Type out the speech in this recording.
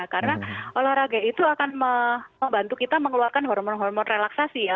karena olahraga itu akan membantu kita mengeluarkan hormon hormon relaksasi ya